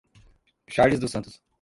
Charles dos Santos